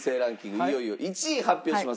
いよいよ１位発表します。